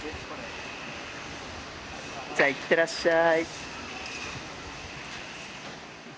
じゃ行ってらっしゃい。